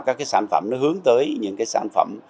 các cái sản phẩm nó hướng tới những cái sản phẩm